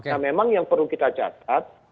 nah memang yang perlu kita catat